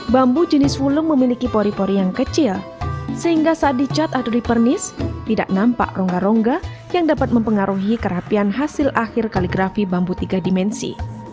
bambu jenis wulung memiliki pori pori yang kecil sehingga saat dicat atau dipernis tidak nampak rongga rongga yang dapat mempengaruhi kerapian hasil akhir kaligrafi bambu tiga dimensi